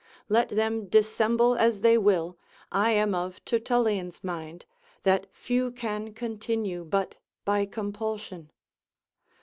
Let them dissemble as they will, I am of Tertullian's mind, that few can continue but by compulsion.